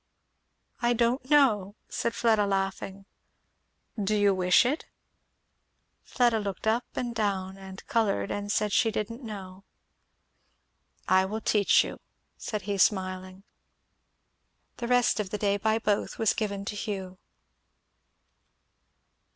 "I don't know," said Fleda laughing. "Do you wish it?" Fleda looked down and up, and coloured, and said she didn't know. "I will teach you," said he smiling. The rest of the day by both was given to Hugh.